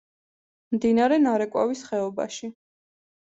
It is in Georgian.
მდინარე ნარეკვავის ხეობაში.